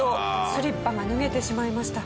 スリッパが脱げてしまいました。